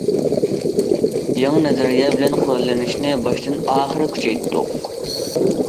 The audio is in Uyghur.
يېڭى نەزەرىيە بىلەن قوراللىنىشنى باشتىن- ئاخىر كۈچەيتتۇق.